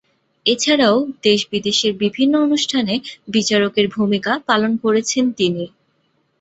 এছাড়াও দেশ বিদেশের বিভিন্ন অনুষ্ঠানে বিচারকের ভূমিকা পালন করেছেন তিনি।